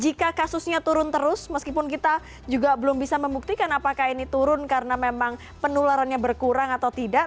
jika kasusnya turun terus meskipun kita juga belum bisa membuktikan apakah ini turun karena memang penularannya berkurang atau tidak